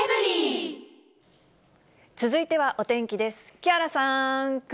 続いてはお天気です。